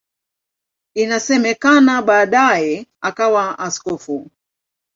Inasemekana baadaye akawa askofu.